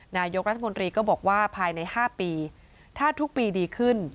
นายกรัฐมนตรีก็บอกว่าภายใน๕ปีถ้าทุกปีดีขึ้น